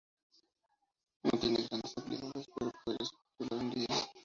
No tiene grandes habilidades, pero podría ser titular un día".